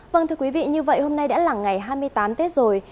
vâng thưa quý vị như vậy hôm nay đã là ngày hai mươi tám tết rồi